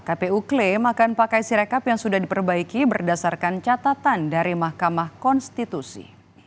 kpu klaim akan pakai sirekap yang sudah diperbaiki berdasarkan catatan dari mahkamah konstitusi